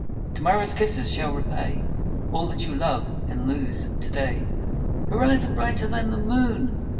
To morrow's kisses shall repay All that you love and lose to day. "Her eyes are brighter than the moon